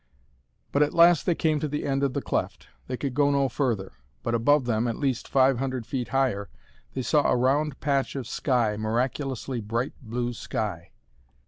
But at last they came to the end of the cleft. They could go no further, but above them, at least 500 feet higher, they saw a round patch of sky, miraculously bright blue sky!